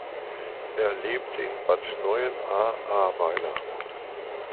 Er lebte in Bad Neuenahr-Ahrweiler.